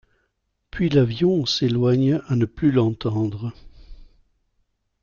Puis l'avion s'éloigne à ne plus l'entendre.